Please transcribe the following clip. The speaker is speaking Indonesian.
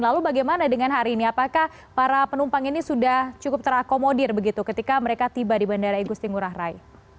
lalu bagaimana dengan hari ini apakah para penumpang ini sudah cukup terakomodir begitu ketika mereka tiba di bandara igusti ngurah rai